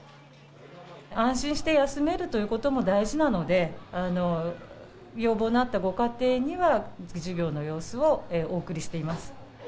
安心して休めるということも大事なので、要望のあったご家庭には、授業の様子をお送りしています。